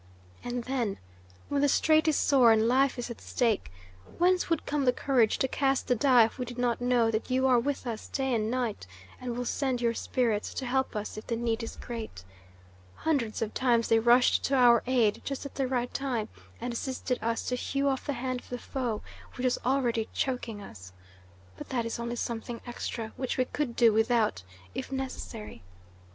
And then, when the strait is sore and life is at stake, whence would come the courage to cast the die if we did not know that you are with us day and night, and will send your spirits to help us if the need is great? Hundreds of times they rushed to our aid just at the right time, and assisted us to hew off the hand of the foe which was already choking us. But that is only something extra, which we could do without, if necessary.